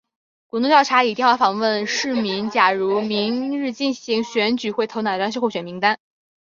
滚动调查以电话访问市民假如明日进行选举会投哪张候选名单。